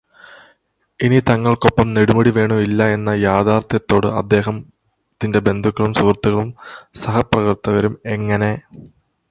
ഇനി തങ്ങൾക്കൊപ്പം നെടുമുടി വേണു ഇല്ല എന്ന യാഥാർത്ഥ്യത്തോട് അദ്ദേഹത്തിന്റെ ബന്ധുക്കളും സുഹൃത്തുക്കളും സഹപ്രവർത്തകരും എങ്ങനെ പൊരുത്തപ്പെടുമെന്നറിയില്ല.